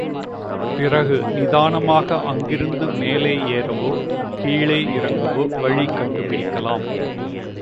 பிறகு நிதானமாக அங்கிருந்து மேலே ஏறவோ, கீழே இறங்கவோ வழி கண்டு பிடிக்கலாம்.